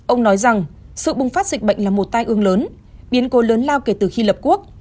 ông nói rằng sự bùng phát dịch bệnh là một tai ương lớn biến cố lớn lao kể từ khi lập quốc